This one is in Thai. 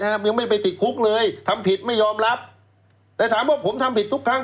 ยังไม่ไปติดคุกเลยทำผิดไม่ยอมรับแต่ถามว่าผมทำผิดทุกครั้ง